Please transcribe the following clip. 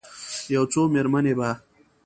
یو څو میرمنې به،